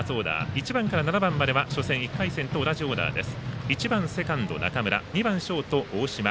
１番から７番までは初戦１回戦と同じオーダーです。